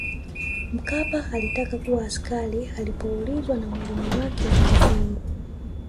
Mkapa alitaka kuwa askari Alipoulizwa na mwalimu wake wa kizungu